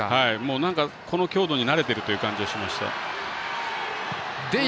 この強度に慣れている感じがしました。